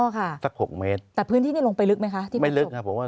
ค่ะสักหกเมตรแต่พื้นที่นี่ลงไปลึกไหมคะที่ไม่ลึกนะผมว่า